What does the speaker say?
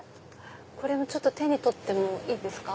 これ手に取ってもいいですか？